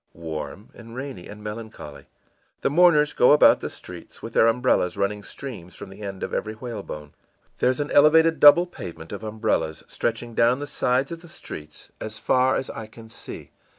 î ìWarm and rainy and melancholy. The mourners go about the streets with their umbrellas running streams from the end of every whalebone. There's an elevated double pavement of umbrellas, stretching down the sides of the streets as far as I can see.